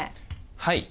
はい。